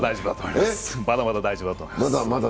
まだまだ大丈夫だと思います。